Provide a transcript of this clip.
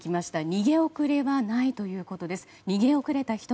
逃げ遅れはないということです。